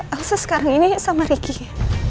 elsa sekarang ini sama ricky